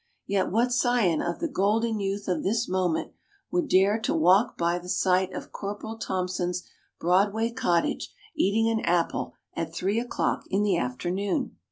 Yet what scion of the golden youth of this moment would dare to walk by the site of Corporal Thompson's Broadway Cottage eating an apple at three o'clock in the afternoon?